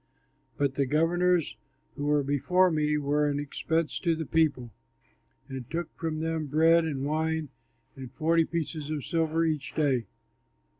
But the governors who were before me were an expense to the people and took from them bread and wine and forty pieces of silver each day.